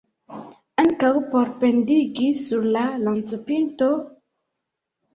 Ankaŭ por pendigi sur la lancopinto?